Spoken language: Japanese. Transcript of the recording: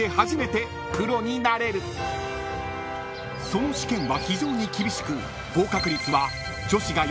［その試験は非常に厳しく］